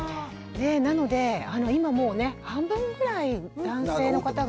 なので今もう半分ぐらいの男性の方が。